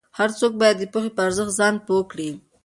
هر څوک باید د پوهې په ارزښت ځان پوه کړي.